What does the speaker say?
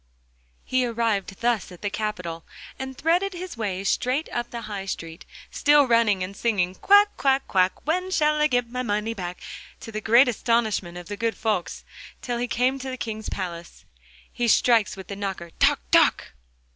He arrived thus at the capital, and threaded his way straight up the High Street, still running and singing 'Quack, quack, quack, when shall I get my money back?' to the great astonishment of the good folks, till he came to the King's palace. He strikes with the knocker: 'Toc! toc!